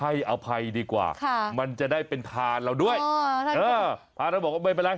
ให้อภัยดีกว่าค่ะมันจะได้เป็นทานเราด้วยทานเราบอกว่าไม่เป็นไร